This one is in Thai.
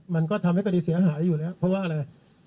มันก็ทำให้คดีเสียหายอยู่แล้วเพราะว่าอะไร